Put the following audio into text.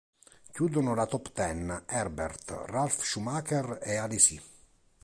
Chiudono la top ten Herbert, Ralf Schumacher e Alesi.